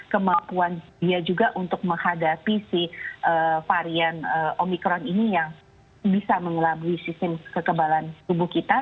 kemampuan dia juga untuk menghadapi si varian omikron ini yang bisa mengelabui sistem kekebalan tubuh kita